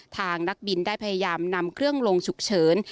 นักบินได้พยายามนำเครื่องลงฉุกเฉิน